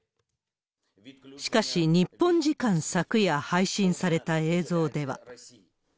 しかし、日本時間昨夜、配信された映像では。